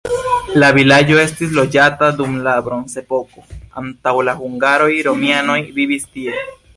La vilaĝo estis loĝata dum la bronzepoko, antaŭ la hungaroj romianoj vivis tie.